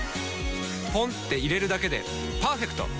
ポンって入れるだけでパーフェクト！